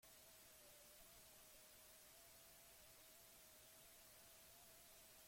Atzamarrak apurtu ditu sofa oinera erori denean.